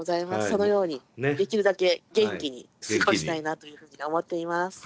そのようにできるだけ元気に過ごしたいなというふうに思っています。